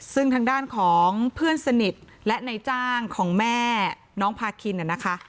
ซึ่งทางด้านของเพื่อนสนิทและในจ้างของแม่น้องพาคินนะคะ